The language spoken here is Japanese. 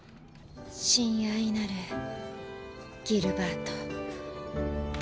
「親愛なるギルバート」。